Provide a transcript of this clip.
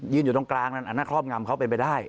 อยู่ตรงกลางนั้นอันนั้นครอบงำเขาเป็นไปได้